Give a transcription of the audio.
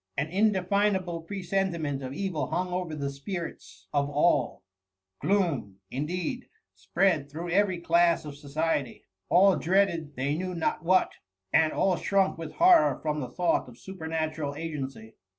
An indefinable pre* sentiment of evil hung over the spirits of all. THE MtTMXY. 991 Gloom, indeed, spread through erery class of todety : all dreaded they knew not what — and all shrunk with horror from the thought of supernatural agency.